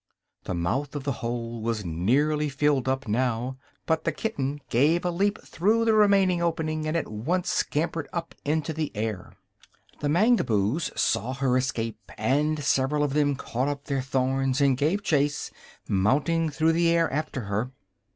The mouth of the hole was nearly filled up now, but the kitten gave a leap through the remaining opening and at once scampered up into the air. The Mangaboos saw her escape, and several of them caught up their thorns and gave chase, mounting through the air after her.